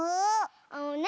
あのね